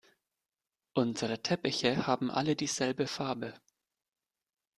Unsere Teppiche haben alle dieselbe Farbe.